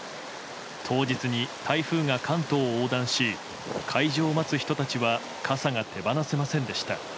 当日に台風が関東を横断し開場を待つ人たちは傘が手放せませんでした。